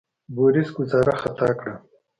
بوریس ګوزاره خطا کړه.